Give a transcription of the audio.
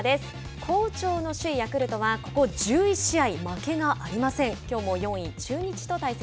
好調の首位ヤクルトはここ１１試合、負けがありません。